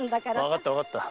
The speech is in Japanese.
わかったわかった。